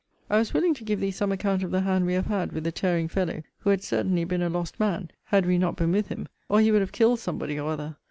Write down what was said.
I was willing to give thee some account of the hand we have had with the tearing fellow, who had certainly been a lost man, had we not been with him; or he would have killed somebody or other.